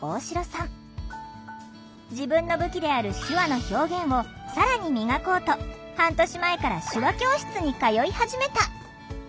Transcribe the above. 自分の武器である手話の表現を更に磨こうと半年前から手話教室に通い始めた。